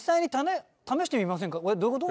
これどういうこと？